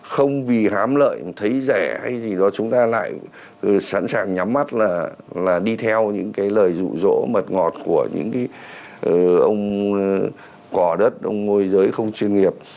không vì hám lợi thấy rẻ hay gì đó chúng ta lại sẵn sàng nhắm mắt là đi theo những cái lời rụ rỗ mật ngọt của những cái ông cỏ đất ông môi giới không chuyên nghiệp